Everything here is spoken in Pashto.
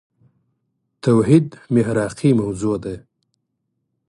توحيد محراقي موضوع ده.